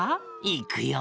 いくよ！